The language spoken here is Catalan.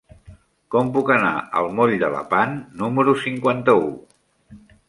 Com puc anar al moll de Lepant número cinquanta-u?